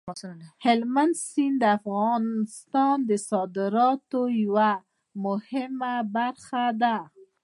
هلمند سیند د افغانستان د صادراتو یوه مهمه برخه ده.